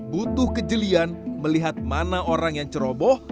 butuh kejelian melihat mana orang yang ceroboh